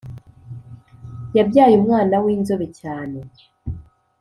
Yabyaye umwana winzobe cyane